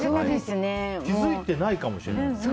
気づいてないかもしれない。